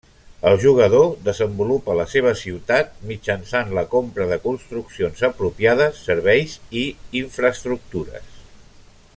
El jugador desenvolupa la seva ciutat mitjançant la compra de construccions apropiades, serveis i infraestructures.